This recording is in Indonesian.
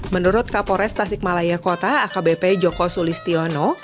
menurut kapolres tasik malaya kota akbp joko sulistiono